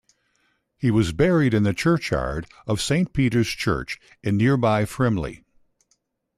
He was buried in the churchyard of Saint Peter's Church in nearby Frimley.